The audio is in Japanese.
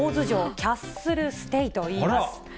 キャッスルステイといいます。